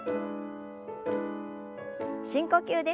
深呼吸です。